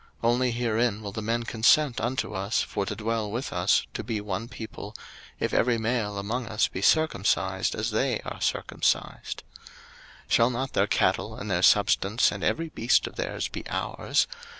01:034:022 Only herein will the men consent unto us for to dwell with us, to be one people, if every male among us be circumcised, as they are circumcised. 01:034:023 Shall not their cattle and their substance and every beast of their's be our's?